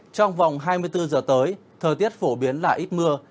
trong vòng hai mươi bốn giờ tới thời tiết phổ biến là ít mưa